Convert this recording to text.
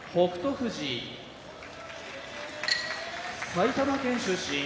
富士埼玉県出身